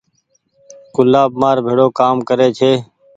گلآب مآر ڀيڙو ڪآم ڪري ڇي۔